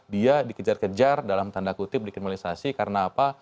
dia dikejar kejar dalam tanda kutip dikriminalisasi karena apa